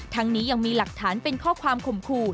นี้ยังมีหลักฐานเป็นข้อความข่มขู่